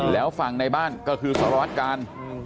แล้วฝั่งในบ้านก็คือสารวัตกาล